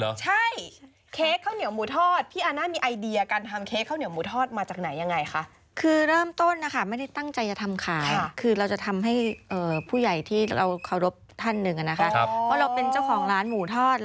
วันนี้มันเกิดใครคะไม่มียันจะกินขึ้นมาเราเห็นวิธีการทำไปแล้วเทกหมูทอด